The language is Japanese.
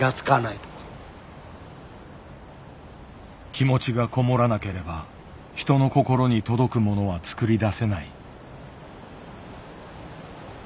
気持ちが籠もらなければ人の心に届くものは作り出せない。